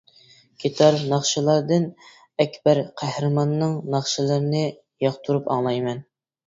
گىتار ناخشىلاردىن ئەكبەر قەھرىماننىڭ ناخشىلىرىنى ياقتۇرۇپ ئاڭلايمەن.